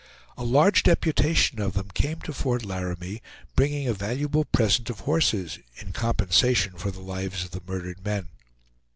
A large deputation of them came to Fort Laramie, bringing a valuable present of horses, in compensation for the lives of the murdered men.